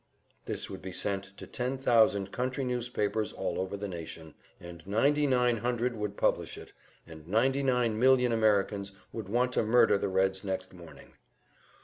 This would be sent to ten thousand country newspapers all over the nation, and ninety nine hundred would publish it, and ninety nine million Americans would want to murder the Reds next morning.